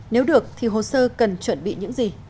nếu được thì hồ sơ cần chuẩn bị những gì